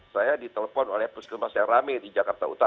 saya ditelepon oleh puskemas yang ramai di jakarta